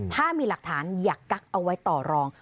ถ้ามีหลักฐานอย่ากักเอาไว้ต่อรอง